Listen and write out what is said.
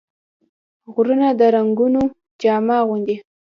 غرونه د رنګونو جامه اغوندي